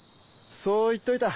そう言っといた。